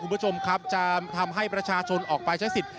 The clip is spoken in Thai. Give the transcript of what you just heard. คุณผู้ชมครับจะทำให้ประชาชนออกไปใช้สิทธิ์